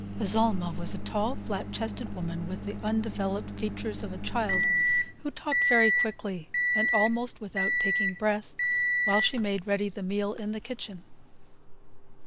Azalma was a tall, flat chested woman with the undeveloped features of a child, who talked very quickly and almost without taking breath while she made ready the meal in the kitchen.